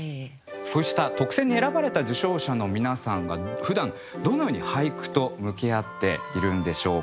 こうした特選に選ばれた受賞者の皆さんがふだんどのように俳句と向き合っているんでしょうか。